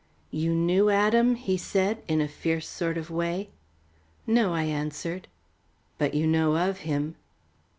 "You knew Adam?" he said, in a fierce sort of way. "No," I answered. "But you know of him?"